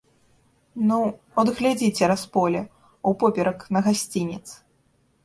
Ну, от глядзі цераз поле, упоперак на гасцінец.